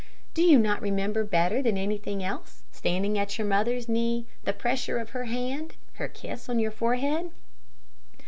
Do you not remember better than anything else, standing at your mother's knee the pressure of her hand, her kiss on your forehead?"